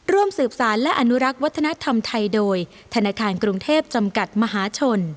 ร่วมสืบสารและอนุรักษ์วัฒนธรรมไทยโดยธนาคารกรุงเทพจำกัดมหาชน